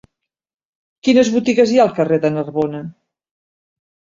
Quines botigues hi ha al carrer de Narbona?